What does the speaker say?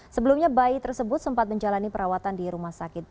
sebelumnya bayi tersebut sempat menjalani perawatan di rumah sakit